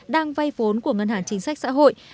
đang vay vốn của ngân hàng chính sách xã hội